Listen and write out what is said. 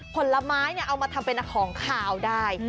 ผลไม้เอามาทำเป็นของขาวได้